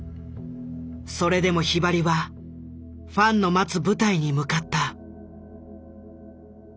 それでもひばりはファンの待つ舞台に向かった。